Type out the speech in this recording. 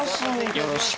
よろしく。